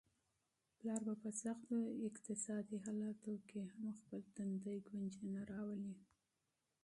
پلار په سختو اقتصادي حالاتو کي هم په خپل تندي ګونجې نه راولي.